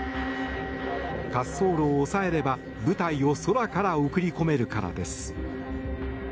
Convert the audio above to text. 滑走路を押さえれば、部隊を空から送り込めるからです。